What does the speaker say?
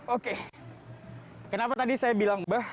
oke kenapa tadi saya bilang mbah